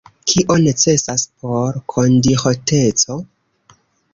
Kio necesas por donkiĥoteco?